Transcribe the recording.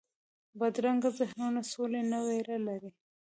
بدرنګه ذهنونونه سولې نه ویره لري